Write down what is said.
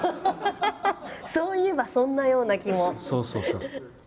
そういえば、そんな気も。